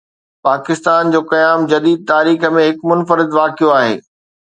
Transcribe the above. پاڪستان جو قيام جديد تاريخ ۾ هڪ منفرد واقعو آهي.